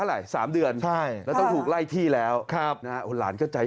เท่าไหร่๓เดือนใช่แล้วต้องถูกไล่ที่แล้วครับหลานก็ใจ